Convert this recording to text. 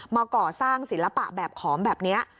มาก่อสร้างศิลปะแบบขอมแบบนี้